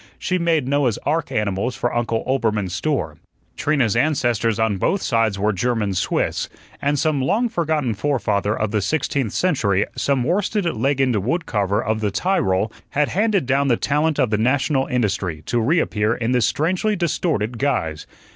She made Noah's ark animals for Uncle Oelbermann's store. Trina's ancestors on both sides were German Swiss, and some long forgotten forefather of the sixteenth century, some worsted leggined wood carver of the Tyrol, had handed down the talent of the national industry, to reappear in this strangely distorted guise.